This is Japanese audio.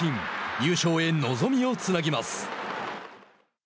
優勝へ望みをつなぎます。